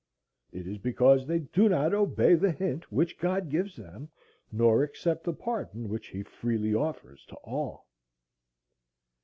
It is because they do not obey the hint which God gives them, nor accept the pardon which he freely offers to all.